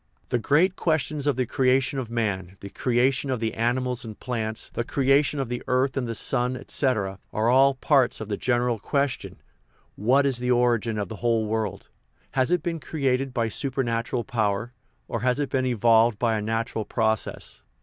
The great questions of the crea tion of man, the creation of the animals and plants, the creation of the earth and the sun, etc., are all parts of the general question, What is the origin of the 233 THE RIDDLE OF THE UNIVERSE whole world? Has it been created by supernatural power, or has it been evolved by a natural process